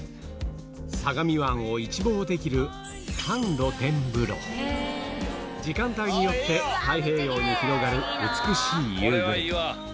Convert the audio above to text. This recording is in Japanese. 相模湾を一望できる半露天風呂時間帯によって太平洋に広がる美しい夕暮れ